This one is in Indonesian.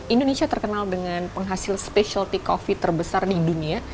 indonesia terkenal dengan penghasil specialty coffee terbesar di dunia